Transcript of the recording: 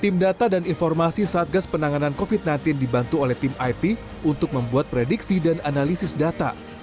tim data dan informasi satgas penanganan covid sembilan belas dibantu oleh tim it untuk membuat prediksi dan analisis data